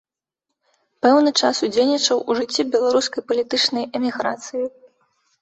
Пэўны час удзельнічаў у жыцці беларускай палітычнай эміграцыі.